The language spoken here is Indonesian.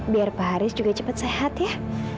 biar pak haris juga cepat sehat ya